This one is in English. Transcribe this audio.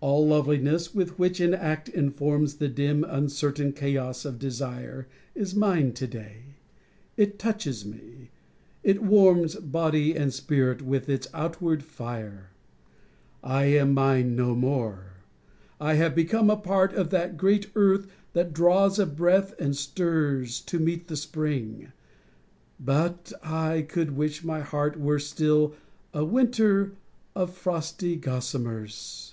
All loveliness with which an act informs The dim uncertain chaos of desire Is mine to day; it touches me, it warms Body and spirit with its outward fire. I am mine no more: I have become a part Of that great earth that draws a breath and stirs To meet the spring. But I could wish my heart Were still a winter of frosty gossamers.